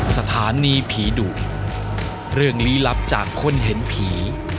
สถานีผีดุเรื่องลี้ลับจากคนเห็นผี